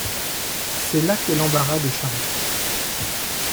C’est là qu’est l’embarras de charrettes.